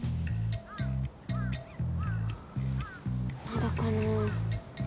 まだかなぁ。